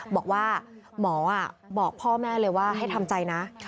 บอกว่าหมอบอกพ่อแม่เลยว่าให้ทำใจนะ